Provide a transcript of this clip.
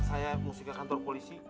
saya mesti ke kantor polisi